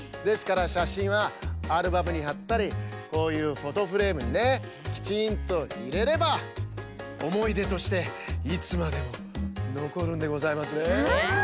ですからしゃしんはアルバムにはったりこういうフォトフレームにねきちんといれればおもいでとしていつまでものこるんでございますね。